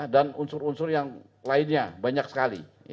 dan unsur unsur yang lainnya banyak sekali